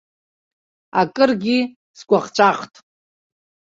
Акыргьы сгәаҟҵәаҟт.